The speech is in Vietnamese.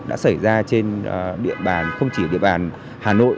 đã xảy ra trên địa bàn không chỉ ở địa bàn hà nội